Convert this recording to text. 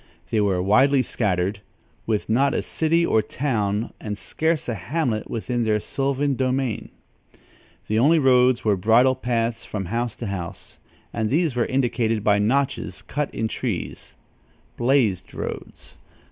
They were widely scattered, with not a city or town and scarce a hamlet within their sylvan domain. The only roads were bridle paths from house to house, and these were indicated by notches cut in trees "blazed roads."